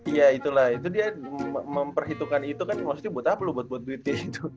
iya itulah itu dia memperhitungkan itu kan maksudnya buat apa loh buat buat duitnya itu